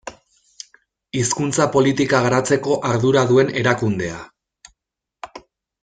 Hizkuntza politika garatzeko ardura duen erakundea.